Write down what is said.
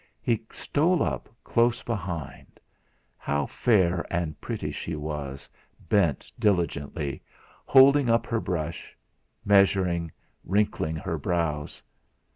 He stole up close behind. How fair and pretty she was, bent diligently, holding up her brush, measuring, wrinkling her brows.